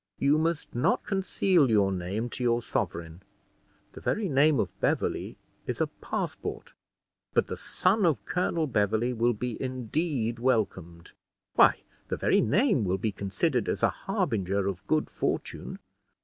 You must not conceal your name to your sovereign; the very name of Beverley is a passport, but the son of Colonel Beverley will be indeed welcomed. Why, the very name will be considered as a harbinger of good fortune.